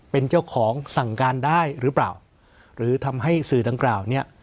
เป็นเจ้าของสั่งการได้หรือเปล่าหรือทำให้สื่อดังกล่าวเนี่ย